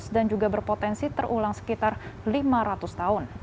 dan juga berpotensi terulang sekitar lima ratus tahun